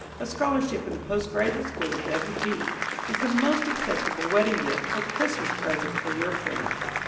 A Scholarship in the Post Graduate School of W. B. is the most acceptable wedding gift or Christmas present for your friends.